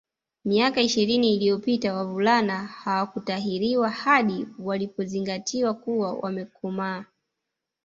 Miaka ishirini iliyopita wavulana hawakutahiriwa hadi walipozingatiwa kuwa wamekomaa